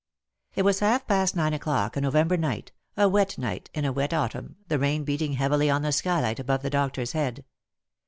It was half past nine o'clock, a November night, a wet night in a wet autumn, the rain beating heavily on the skylight above the doctor's head.